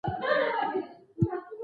که نن هرڅه بې آزاره در ښکاریږي